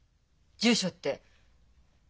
住所って。